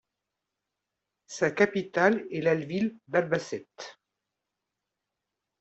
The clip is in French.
Sa capitale est la ville d'Albacete.